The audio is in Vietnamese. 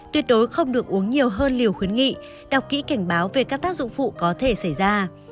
tuyệt đối không được uống nhiều hơn liều khuyến nghị đọc kỹ cảnh báo về các tác dụng phụ có thể xảy ra